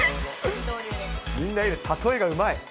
みんな、例えがうまい。